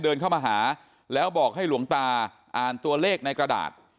เดินเข้ามาหาแล้วบอกให้หลวงตาอ่านตัวเลขในกระดาษ